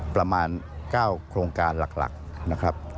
ประมาณ๙โครงการหลักนะครับ